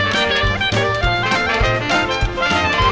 โปรดติดตามต่อไป